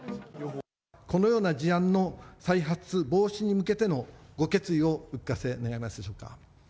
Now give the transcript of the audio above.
このような事案の再発防止に向けてのご決意をお聞かせ願えますでしょうか。